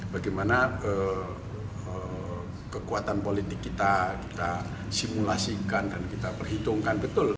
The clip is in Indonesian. bagaimana kekuatan politik kita simulasikan dan kita perhitungkan